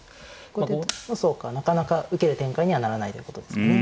これでそうかなかなか受ける展開にはならないということですかね。